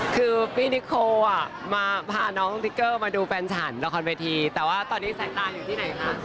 คือพี่นิโคมาพาน้องติ๊กเกอร์มาดูแฟนฉันละครเวทีแต่ว่าตอนนี้สายตาอยู่ที่ไหนคะ